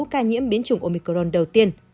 sáu ca nhiễm biến chủng omicron đầu tiên